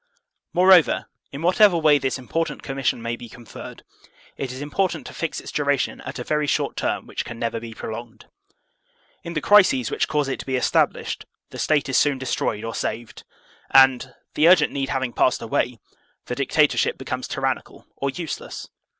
Moreover, in whatever way this important commission may be conferred, it is important to fix its duration at a very short term which can never be prolonged. In the crises which cause it to be established, the State is soon destroyed or saved; and, the urgent need having passed away, the dictatorship becomes tyrannical or useless.